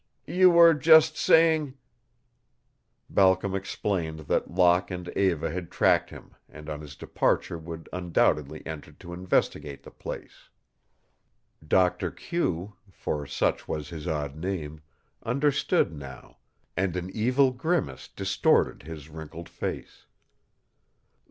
You were just saying " Balcom explained that Locke and Eva had tracked him and on his departure would undoubtedly enter to investigate the place. Doctor Q, for such was his odd name, understood now, and an evil grimace distorted his wrinkled face.